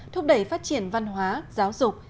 thúc đẩy phát triển văn hóa giáo dục